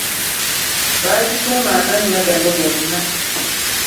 Baazituuma amannya gano gonna.